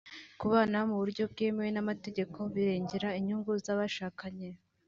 Kubana mu buryo bwemewe n’amategeko birengera inyungu z’abashakanye